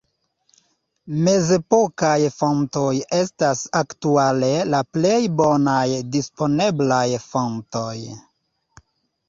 Mezepokaj fontoj estas aktuale la plej bonaj disponeblaj fontoj.